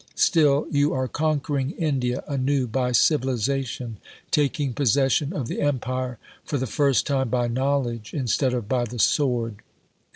Still, you are conquering India anew by civilization, taking possession of the Empire for the first time by knowledge instead of by the sword.